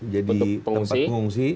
jadi tempat pengungsi